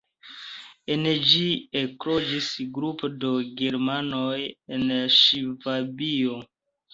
En ĝi ekloĝis grupo de germanoj el Ŝvabio.